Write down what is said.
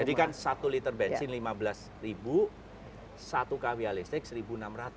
jadi kan satu liter bensin rp lima belas satu kawiah listrik rp satu enam ratus